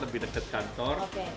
lebih dekat kantor